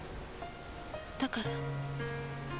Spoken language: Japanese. だから。